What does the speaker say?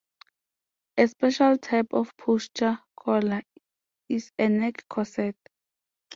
A special type of posture collar is a neck corset.